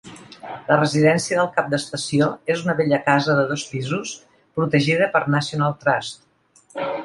La residència del cap d'estació és una bella casa de dos pisos protegida per National Trust.